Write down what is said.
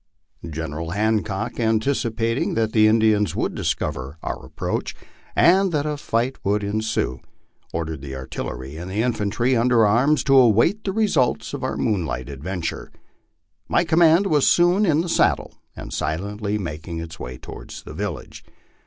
General Hancock, anticipating that the Indians would discover our approach, and that a fight would ensue, or dered the artillery and infantry under arms, to await the result of our moon light venture. My command was soon in the saddle, and silently making its way toward the village.